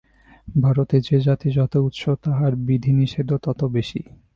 ভারতে যে জাতি যত উচ্চ, তাহার বিধিনিষেধও তত বেশী।